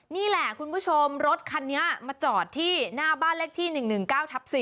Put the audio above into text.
นี่แหละคุณผู้ชมรถคันนี้มาจอดที่หน้าบ้านเลขที่๑๑๙ทับ๔